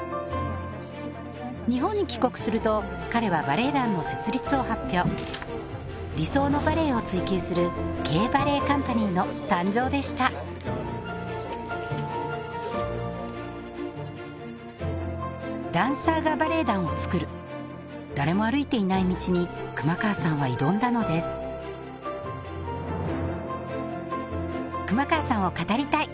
日本に帰国すると彼はバレエ団の設立を発表理想のバレエを追求するＫバレエカンパニーの誕生でしたダンサーがバレエ団をつくる誰も歩いていない道に熊川さんは挑んだのです熊川さんを語りたい！